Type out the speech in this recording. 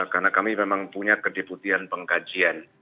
karena kami memang punya kedeputian pengkajian